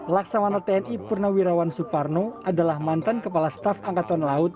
laksamana tni purnawirawan suparno adalah mantan kepala staf angkatan laut